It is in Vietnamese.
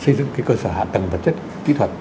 xây dựng cơ sở hạ tầng vật chất kỹ thuật